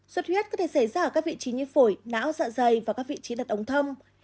xuất huyết có thể xảy ra ở các vị trí như phổi não dạ dày và các vị trí đặt ống thông